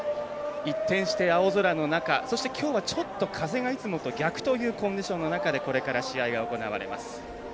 一転して青空の中そして、きょうはちょっと風がいつもと逆というコンディションの中でこれから試合が行われます。